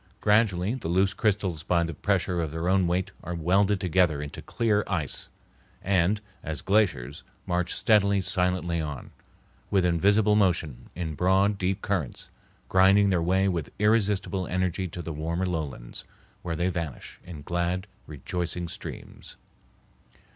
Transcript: Gradually the loose crystals by the pressure of their own weight are welded together into clear ice, and, as glaciers, march steadily, silently on, with invisible motion, in broad, deep currents, grinding their way with irresistible energy to the warmer lowlands, where they vanish in glad, rejoicing streams.